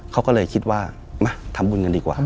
เขาก็เลยคิดว่ามาทำบุญกันดีกว่า